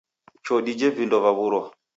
Choo dije vindo vaw'urwa